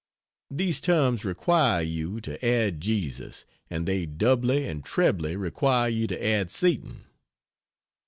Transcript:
These terms require you to add Jesus. And they doubly and trebly require you to add Satan.